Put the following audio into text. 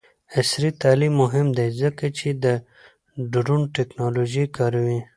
عصري تعلیم مهم دی ځکه چې د ډرون ټیکنالوژي کاروي.